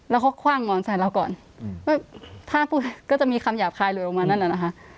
แล้วเขาคว่างหมอนใส่เราก่อนถ้าพูดก็จะมีคำหยาบคายเลยลงมานั่นแหละนะคะ